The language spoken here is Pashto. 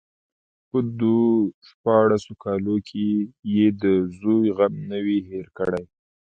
په دو شپاړسو کالو کې يې د زوى غم نه وي هېر کړى.